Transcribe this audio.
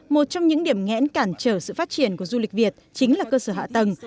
một trong những điểm ngẽn cản trở sự phát triển của du lịch việt chính là cơ sở hạ tầng